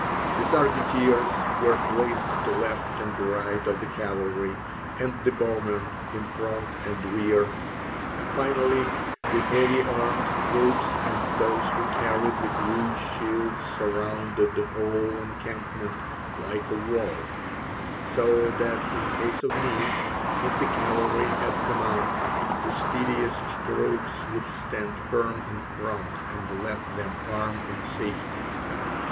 The targeteers were placed to left and right of the cavalry, and the bowmen in front and rear. Finally, the heavy armed troops and those who carried the huge shields surrounded the whole encampment like a wall; so that in case of need, if the cavalry had to mount, the steadiest troops would stand firm in front and let them arm in safety.